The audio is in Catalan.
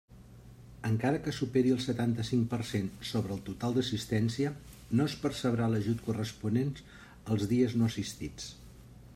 Encara que superi el setanta-cinc per cent sobre el total d'assistència, no es percebrà l'ajut corresponent als dies no assistits.